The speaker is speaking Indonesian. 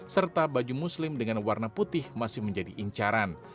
serta baju muslim dengan warna putih masih menjadi incaran